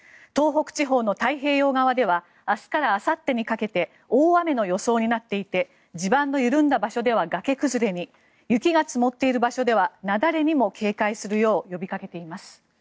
東北地方の太平洋側では明日からあさってにかけて大雨の予想になっていて地盤の緩んだ場所では崖崩れに雪が積もっている場所では雪崩にも警戒するよう呼びかけています。